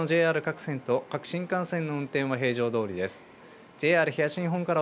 そのほかのＪＲ各線と各新幹線の運転は平常どおりです。